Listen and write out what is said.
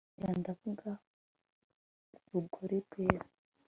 erega ndakumva rugoli rwera